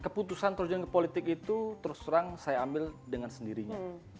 keputusan terjun ke politik itu terus terang saya ambil dengan sendirinya